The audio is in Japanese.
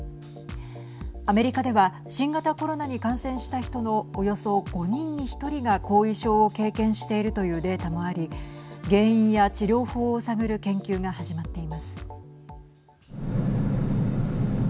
アメリカでは新型コロナに感染した人のおよそ５人に１人が後遺症を経験しているというデータもあり原因や治療法を探る研究が始まっています。